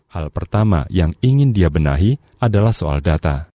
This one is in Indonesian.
hal pertama yang ingin dia benahi adalah soal data